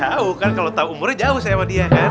tahu kan kalau tahu umurnya jauh sama dia kan